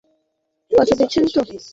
কথা দিচ্ছেন তো?